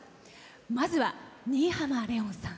まずは新浜レオンさん